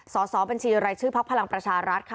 สอบบัญชีรายชื่อพักพลังประชารัฐค่ะ